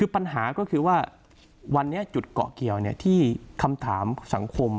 ปัญหาก็คือว่าวันนี้จุดเกาะเกียวที่คำถามสังคม